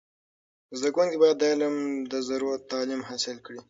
زده کوونکي باید د علم د زرو تعلیم حاصل کړي.